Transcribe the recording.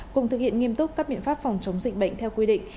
cùng thực hiện nghiêm túc các biện pháp phòng chống dịch bệnh theo quy định